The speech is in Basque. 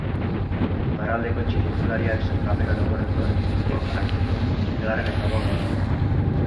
Iparraldeko txirrindulariak sailkapen orokorreko lehen postuan jarraitzen du zazpigarren etapa burutu ondoren.